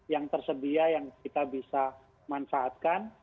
yang tersedia yang kita bisa manfaatkan